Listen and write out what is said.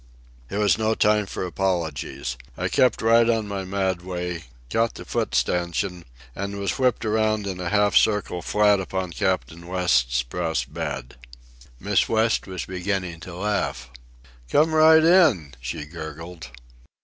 It was no time for apologies. I kept right on my mad way, caught the foot stanchion, and was whipped around in half a circle flat upon Captain West's brass bed. Miss West was beginning to laugh. "Come right in," she gurgled.